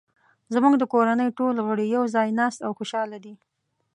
زموږ د کورنۍ ټول غړي یو ځای ناست او خوشحاله دي